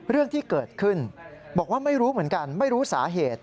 เรื่องที่เกิดขึ้นบอกว่าไม่รู้เหมือนกันไม่รู้สาเหตุ